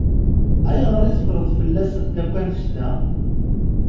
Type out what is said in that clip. Ayɣer i teffreḍ fell-asent akk annect-a?